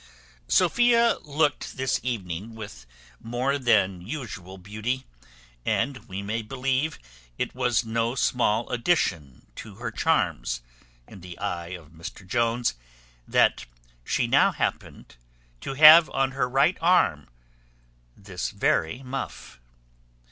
Sophia looked this evening with more than usual beauty, and we may believe it was no small addition to her charms, in the eye of Mr Jones, that she now happened to have on her right arm this very muff.